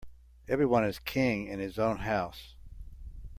Every one is king in his own house.